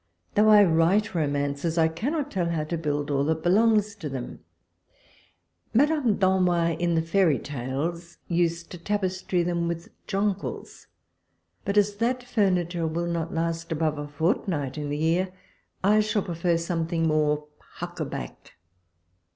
Though I write romances, I cannot tell how to build all that belongs to them. Madame Danois, in the Fairy Tales, used to tapestry them with jonfiuUs ; but as that furniture 108 walpole's letters. will not last above a fortnight in the year, I shall prefer something more huckaback.